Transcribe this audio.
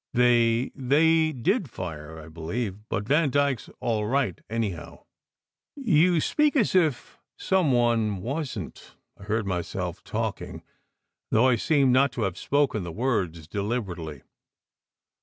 They they did fire, I believe. But Vandyke s all right, anyhow." 120 SECRET HISTORY "You speak as if some one wasn t." I heard myself talking, though I seemed not to have spoken the words deliberately.